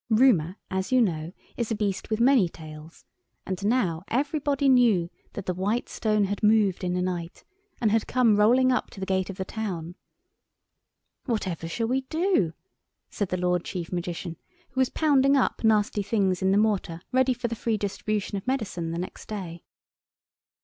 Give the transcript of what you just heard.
Rumour, as you know, is a beast with many tales; and now everybody knew that the white stone had moved in the night and had come rolling up to the gate of the town. "Whatever shall we do?" said the Lord Chief Magician, who was pounding up nasty things in the mortar ready for the free distribution of medicine next day.